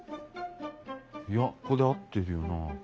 いやここで合ってるよな。